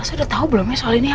elsa udah tau belum ya soal ini